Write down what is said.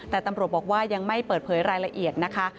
แต่ตำรวจบอกว่ายังไม่เปิดเผยรายละเอียดนะคะ